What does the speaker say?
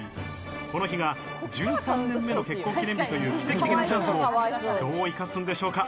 この日が１３年目の結婚記念日という奇跡的なチャンスをどう生かすんでしょうか。